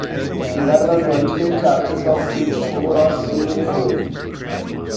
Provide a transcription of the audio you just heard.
There were twenty-nine chapters, of which four are still in force.